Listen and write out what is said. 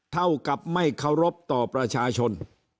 เท่ากับไม่เคารพต่อประชาชน